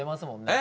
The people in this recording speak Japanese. え？